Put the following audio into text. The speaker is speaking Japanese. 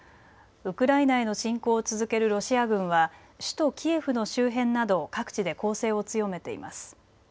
ウクライナへの侵攻を続けるロシア軍は首都キエフの周辺など各地で攻勢を強めています。